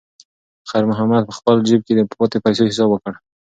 خیر محمد په خپل جېب کې د پاتې پیسو حساب وکړ.